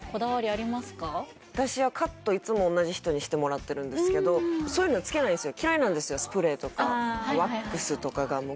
私はカットいつも同じ人にしてもらってるんですけどそういうのつけないんですよ